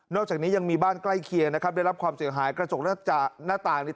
อกจากนี้ยังมีบ้านใกล้เคียงนะครับได้รับความเสียหายกระจกหน้าต่างนี่